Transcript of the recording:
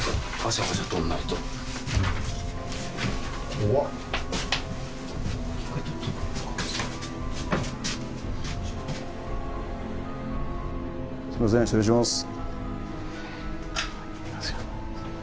怖っすいません失礼します